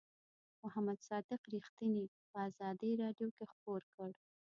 محمد صادق رښتیني په آزادۍ رادیو کې خپور کړ.